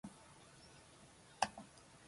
行ってらっしゃい。気をつけてね。